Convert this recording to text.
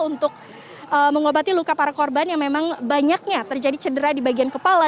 untuk mengobati luka para korban yang memang banyaknya terjadi cedera di bagian kepala